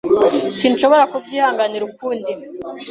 Sinshobora kubyihanganira ukundi.